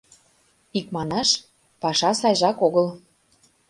Икманаш паша сайжак огыл.